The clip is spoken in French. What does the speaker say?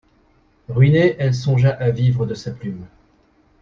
Ruinée, elle songea à vivre de sa plume.